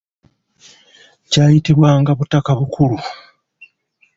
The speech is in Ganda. Kyayitibwanga Butakabukula.